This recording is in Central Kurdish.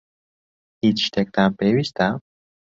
هیچ شتێکتان پێویستە؟